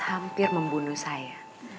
hampir membunuh saya